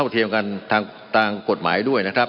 มันมีมาต่อเนื่องมีเหตุการณ์ที่ไม่เคยเกิดขึ้น